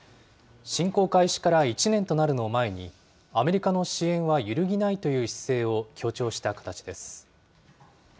侵攻開始から１年となるのを前に、アメリカの支援は揺るぎないという姿勢を強調した形です。